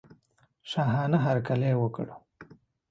شاهانه هرکلی وکړ.